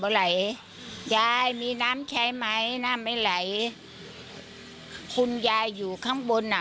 ไหลยายมีน้ำใช้ไหมน้ำไม่ไหลคุณยายอยู่ข้างบนอ่ะ